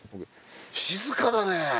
静かだね。